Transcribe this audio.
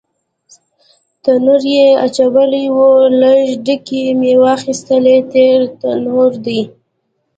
تنور یې اچولی و، لږ ډکي مې واخیستل، تیار تنور دی.